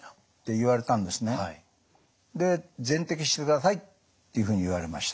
で全摘してくださいっていうふうに言われました。